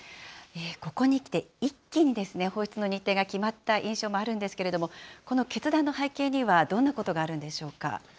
ここにきて、一気にですね、放出の日程が決まった印象もあるんですけれども、この決断の背景には、どんなことがあるんでしょうか。